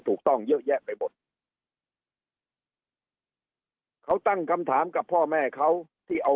ถูกต้องเยอะแยะไปหมดเขาตั้งคำถามกับพ่อแม่เขาที่เอา